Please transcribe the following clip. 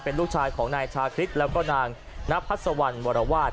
เป็นลูกชายของนายชาคริสแล้วก็นางนพัศวรรณวรวาส